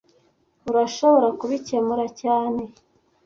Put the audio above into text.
Urashobora kubikemura cyane